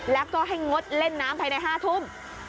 แล้วก็ให้งดเล่นน้ำภายใน๕ทุ่ม